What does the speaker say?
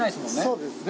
そうですね。